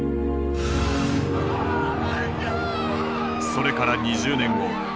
それから２０年後。